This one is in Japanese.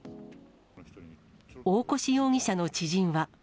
大越容疑者の知人は。